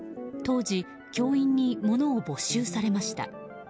当時、教員に物を没収されました。